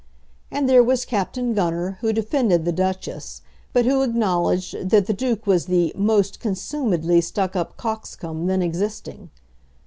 And there was Captain Gunner, who defended the Duchess, but who acknowledged that the Duke was the "most consumedly stuck up cox comb" then existing.